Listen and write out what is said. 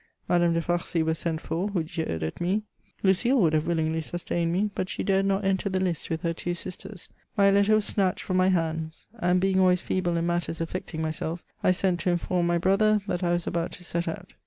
Madame de Farcy was sent for, who jeered at me. Lucile would have willingly sustained me, but she dared not enter the list with her two sisters. My letter was snatched from my hands ; and, being always feeble in matters affecting myself, I sent to inform my brother that I was about to set out.